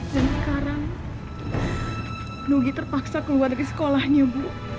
sekarang nugi terpaksa keluar dari sekolahnya bu